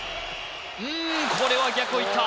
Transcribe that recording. うんこれは逆をいった！